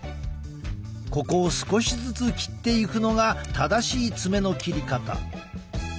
ここを少しずつ切っていくのが正しい爪の切り方。